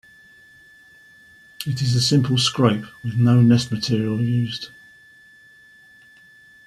It is a simple scrape with no nest material used.